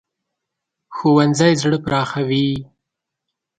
ښوونځی زړه پراخوي